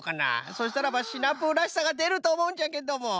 そしたらばシナプーらしさがでるとおもうんじゃけども。